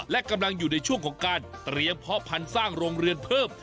และกำลังอยู่ในช่วงของการเตรียมเพาะพันธุ์สร้างโรงเรือนเพิ่ม